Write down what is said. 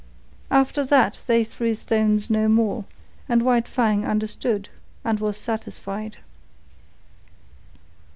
After that they threw stones no more, and White Fang understood and was satisfied.